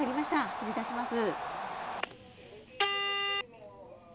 失礼いたします。